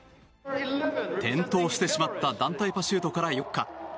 転倒してしまった団体パシュートから４日。